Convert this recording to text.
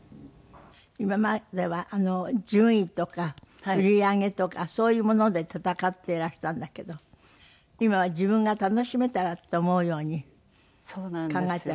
今までは順位とか売り上げとかそういうもので戦っていらしたんだけど今は自分が楽しめたらって思うように考え